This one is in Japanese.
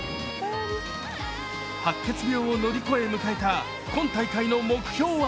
白血病を乗り越え迎えた今大会の目標は